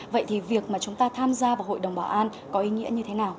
vậy thì việc mà chúng ta tham gia vào hội đồng bảo an có ý nghĩa như thế nào